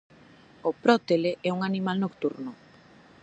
O prótele é un animal nocturno.